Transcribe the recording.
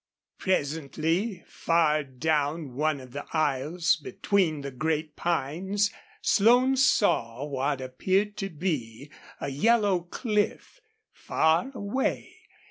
Presently, far down one of the aisles between the great pines Slone saw what appeared to be a yellow cliff, far away.